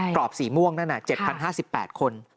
กรอบสีม่วงนั่น๗๐๕๘คน